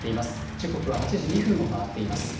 時刻は８時２分を回っています。